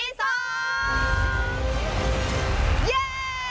เย้อีกแล้ว